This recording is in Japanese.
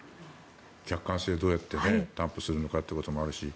客観性をどうやって担保するのかというのもあるし。